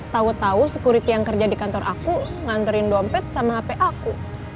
tau tau sekuriti yang kerja di kantor aku nganterin dompet sama hp aku